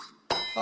あ！